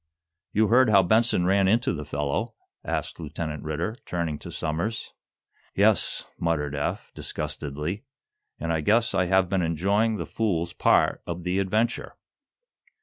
"You heard how Benson ran into the fellow?" asked Lieutenant Ridder, turning to Somers. "Yes," muttered Eph, disgustedly, "and I guess I have been enjoying the fool's part of the adventure!"